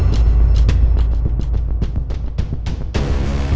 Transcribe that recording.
gak ada apa apa